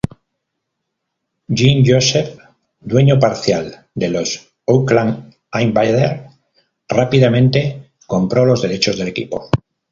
Jim Joseph, dueño parcial de los Oakland Invaders, rápidamente compró los derechos del equipo.